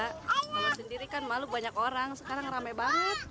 kalau sendiri kan malu banyak orang sekarang rame banget